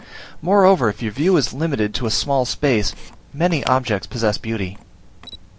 Moreover, if your view is limited to a small space, many objects possess beauty.